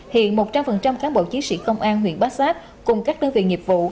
hiện một trăm linh cán bộ chiến sĩ công an huyện bát sát cùng các đơn vị nghiệp vụ